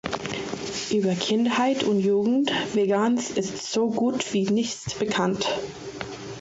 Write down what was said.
Über Kindheit und Jugend Wegans ist so gut wie nichts bekannt.